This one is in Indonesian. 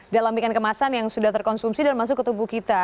dalam ikan kemasan yang sudah terkonsumsi dan masuk ke tubuh kita